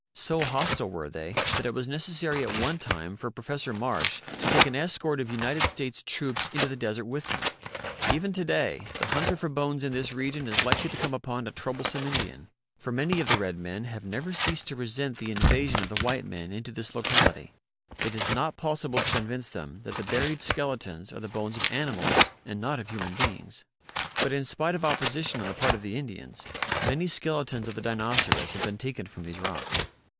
So hostile were they that it was necessary at one time for Professor Marsh to take an escort of United States troops into the desert with him. Even to day the hunter for bones in this region is likely to come upon a troublesome Indian; for many of the red THE LITTLE BRAINED DINOCERAS 93 men have never ceased to resent the invasion of the white men into this locality. It is not possible to convince them that the buried skeletons are the bones of animals and not of human beings. But in spite of opposition on the part of the Indians, many skeletons of the Dinoceras have been taken from these rocks.